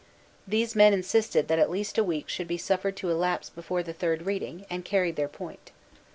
These men insisted that at least a week should be suffered to elapse before the third reading, and carried their point.